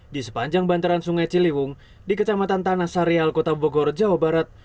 di sepanjang bantaran sungai ciliwung di kecamatan tanah sarial kota bogor jawa barat